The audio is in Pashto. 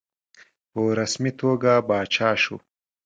په رسمي توګه پاچا شو.